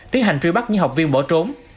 tiến hành truy bắt những học viên bỏ trốn